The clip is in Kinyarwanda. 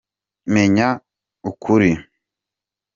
Menya ukuri